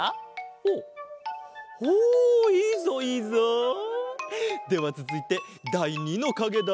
ほうほういいぞいいぞ！ではつづいてだい２のかげだ。